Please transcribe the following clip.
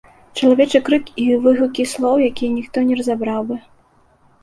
Чалавечы крык і выгукі слоў, якіх ніхто не разабраў бы.